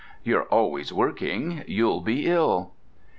("You're always working; you'll be ill!")